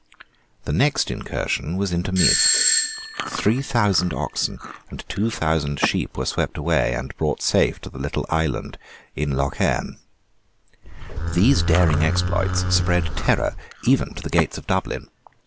The next incursion was into Meath. Three thousand oxen and two thousand sheep were swept away and brought safe to the little island in Lough Erne. These daring exploits spread terror even to the gates of Dublin.